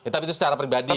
tapi itu secara pribadi ya